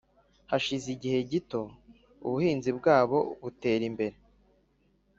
Hashize igihe gito, ubuhinzi bwabo butera imbere